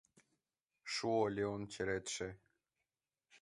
Шуо Леон черетше.